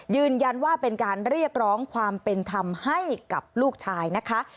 ยืนยันว่าเป็นการเรียกร้องความเป็นธรรมให้กับลูกชายนะคะ